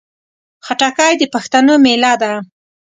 خټکی د پښتنو مېله ده.